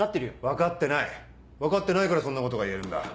分かってない分かってないからそんなことが言えるんだ。